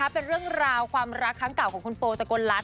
เป็นเรื่องราวความรักทั้งเก่าของคุณโพจับโกนลัทธ์